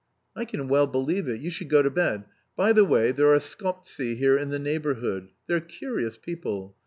"I can well believe it; you should go to bed. By the way, there are Skoptsi here in the neighbourhood they're curious people...